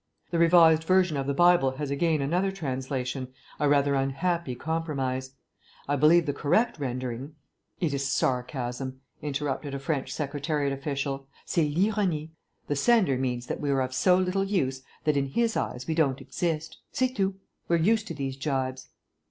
The Revised Version of the Bible has again another translation, a rather unhappy compromise. I believe the correct rendering " "It is sarcasm," interrupted a French Secretariat official, "C'est l'ironie. The sender means that we are of so little use that in his eyes we don't exist. C'est tout. We're used to these gibes."